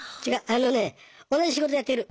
あのね同じ仕事やってる。